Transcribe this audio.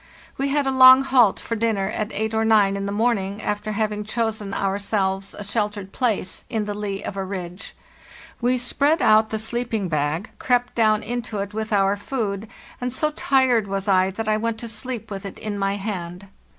We had a long halt for dinner at eight or nine in the morning, after having chosen our selves a sheltered place in the lee of a ridge. We spread out the sleeping bag, crept down into it with our food, and so tired was I that I went to sleep with it in my hand.